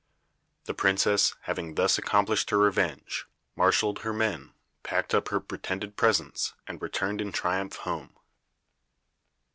The princess, having thus accomplished her revenge, marshaled her men, packed up her pretended presents, and returned in triumph home.